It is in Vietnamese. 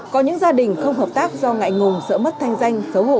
có những gia đình không hợp tác do ngại ngùm sợ mất thanh danh xấu hổ